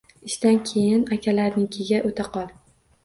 Ishdan keyin akalaringnikiga o`ta qol